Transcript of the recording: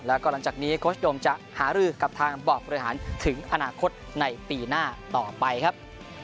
แล้วก็หลังจากนี้โค้ชโดมจะหารือกับทางบอร์ดบริหารถึงอนาคตในปีหน้าต่อไปครับ